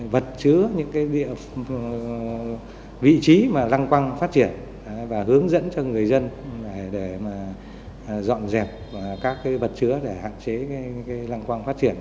vật chứa những vị trí mà lăng quang phát triển và hướng dẫn cho người dân để dọn dẹp các vật chứa để hạn chế lăng quang phát triển